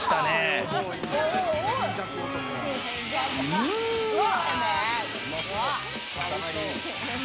うわ！